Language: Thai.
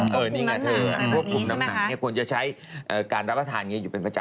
พอบคุมน้ำหนักควรจะใช้การรับประทานอยู่เป็นประจำ